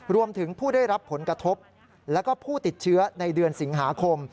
รวมถึงผู้ได้รับผลกระทบและผู้ติดเชื้อในเดือนสิงหาคม